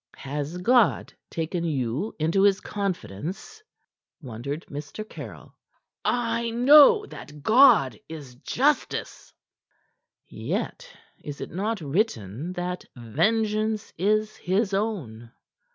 "Has God taken you into His confidence?" wondered Mr. Caryll. "I know that God is justice." "Yet is it not written that 'vengeance is His own'?"